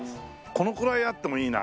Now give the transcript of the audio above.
このくらいあってもいいな。